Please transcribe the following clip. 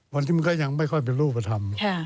วันนี้มันก็ยังไม่ค่อยเป็นรูปธรรม